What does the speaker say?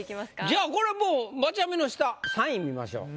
じゃあこれもうマチャミの下３位見ましょう。